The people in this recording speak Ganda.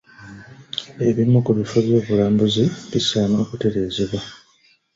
Ebimu ku bifo by'obulambuzi bisaana okutereezebwa.